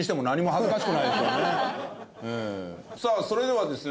さあそれではですね